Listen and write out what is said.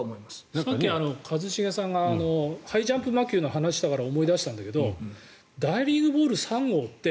さっき一茂さんがハイジャンプ魔球の話をしてから思い出したんだけど大リーグボール３号って